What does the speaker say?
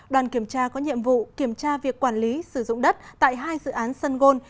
đoàn kiểm tra có nhiệm vụ kiểm tra việc quản lý sử dụng đất tại hai dự án sân gôn